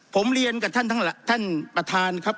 ผมเรียนกับท่านทั้งหลักท่านประธานครับ